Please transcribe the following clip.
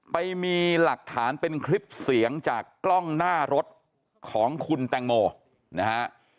ไปมีหลักฐานเป็นคลิปเสียงจากกล้องหน้ารถของคุณแตงโมนะฮะ